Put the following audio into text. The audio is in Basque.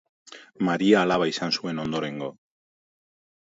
Maria alaba izan zuen ondorengo.